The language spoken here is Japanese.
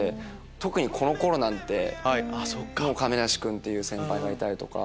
特にこの頃なんて亀梨君っていう先輩がいたりとか。